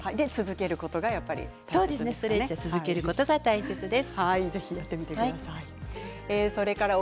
ストレッチは続けることが大事です。